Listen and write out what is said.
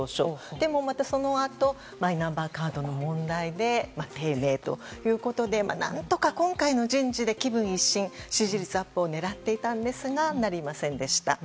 でもまたそのあとマイナンバーカードの問題で低迷ということで何とか今回の人事で気分一新、支持率アップを狙っていたんですがなりませんでした。